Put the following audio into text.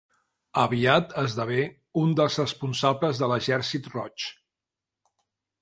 Aviat esdevé un dels responsables de l'exèrcit roig.